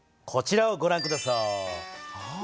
こちらをごらん下さい。